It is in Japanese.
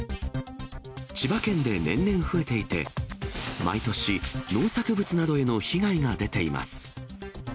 千葉県で年々増えていて、毎年、農作物などへの被害が出ています。